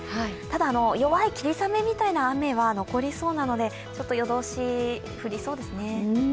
ただ、弱い霧雨みたいな雨は残りそうなので、夜通し降りそうですね。